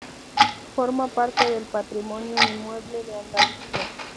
Forma parte del Patrimonio Inmueble de Andalucía.